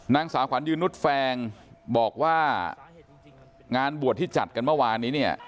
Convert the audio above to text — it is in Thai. นางสาวขวัญยืนนุษย์แฟงบอกว่างานบวชที่จัดกันเมื่อวานนี้เนี่ย